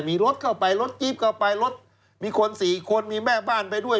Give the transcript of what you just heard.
มีรถเข้าไปรถกิ๊บเข้าไปรถมีคนสี่คนมีแม่บ้านไปด้วย